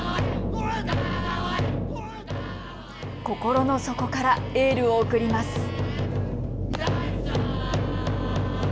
心の底からエールを送ります。